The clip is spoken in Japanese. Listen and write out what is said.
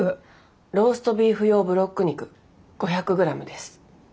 ローストビーフ用ブロック肉５００ｇです。